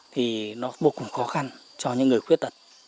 thì nó vô cùng khó khăn cho những người khuyết tật